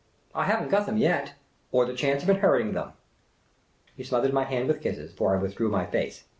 I have n't got them yet !"" Or the chance of inheriting them." He smothered my hand with kisses — for I withdrew my face.